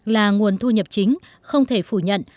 là nguồn thu nhập chính không thể phủ nhận